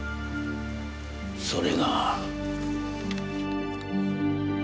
それが。